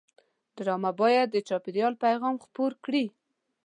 ډرامه باید د چاپېریال پیغام خپور کړي